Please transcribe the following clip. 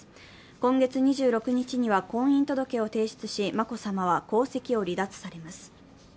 今月２６日には婚姻届を提出し、眞子さまは皇籍を離脱されます。